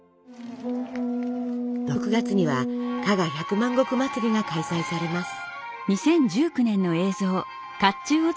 ６月には加賀百万石祭りが開催されます。